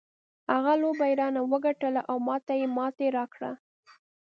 هغه لوبه یې رانه وګټله او ما ته یې ماتې راکړه.